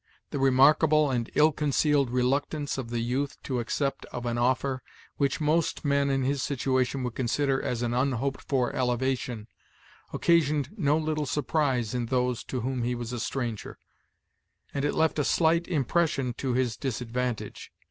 The remarkable and ill concealed reluctance of the youth to accept of an offer, which most men in his situation would consider as an unhoped for elevation, occasioned no little surprise in those to whom he was a stranger; and it left a slight impression to his disadvantage.